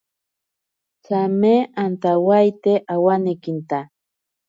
Tsame antawaite awanekinta.